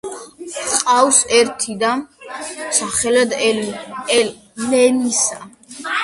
ჰყავს ერთი და, სახელად სელინა.